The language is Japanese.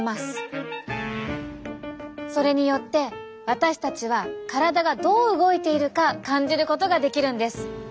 それによって私たちは体がどう動いているか感じることができるんです。